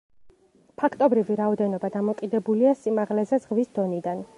ფაქტობრივი რაოდენობა დამოკიდებულია სიმაღლეზე ზღვის დონიდან.